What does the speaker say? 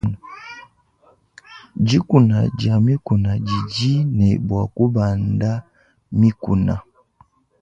Dikuna dia mikuna didi ne bua kubanda mikuna.